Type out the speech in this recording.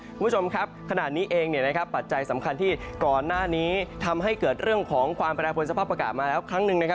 คุณผู้ชมครับขณะนี้เองปัจจัยสำคัญที่ก่อนหน้านี้ทำให้เกิดเรื่องของความแปรผลสภาพอากาศมาแล้วครั้งหนึ่ง